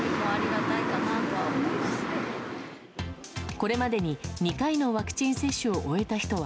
これまでに２回のワクチン接種を終えた人は